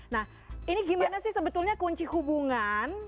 nah ini gimana sih sebetulnya kunci hubungan